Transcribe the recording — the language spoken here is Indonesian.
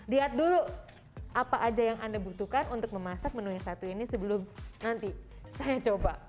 lihat dulu apa aja yang anda butuhkan untuk memasak menu yang satu ini sebelum nanti saya coba